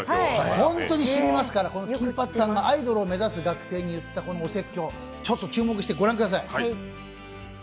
本当にしみますから、金八さんがアイドルに言ったお説教に注目して御覧ください。